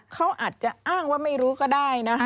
เขาอาจจะอ้างว่าไม่รู้ก็ได้นะคะ